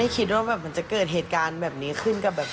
ประกอบ๓